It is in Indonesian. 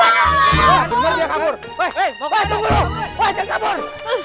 wah tunggu dulu wah dia kabur